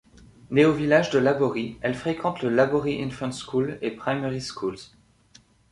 Née au village de Laborie, elle fréquente le Laborie Infant School et Primary Schools.